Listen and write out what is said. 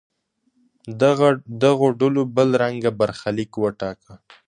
دغو ډلو بل رنګه برخلیک وټاکه.